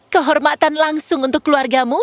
kehormatan langsung untuk keluargamu